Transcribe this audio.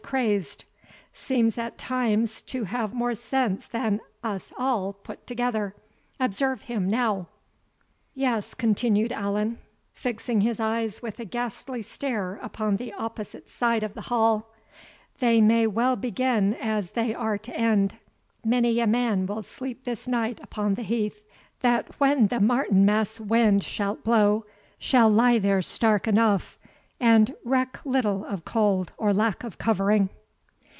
crazed.] seems at times to have more sense than us all put together. Observe him now." "Yes," continued Allan, fixing his eyes with a ghastly stare upon the opposite side of the hall, "they may well begin as they are to end; many a man will sleep this night upon the heath, that when the Martinmas wind shalt blow shall lie there stark enough, and reck little of cold or lack of covering."